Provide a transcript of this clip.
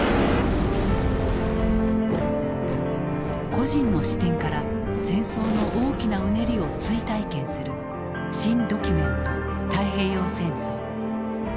個人の視点から戦争の大きなうねりを追体験する「新・ドキュメント太平洋戦争」。